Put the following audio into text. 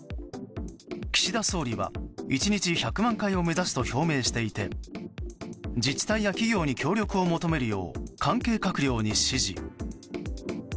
岸田総理は、１日１００万回を目指すと表明していて自治体や企業に協力を求めるよう関係閣僚に指示。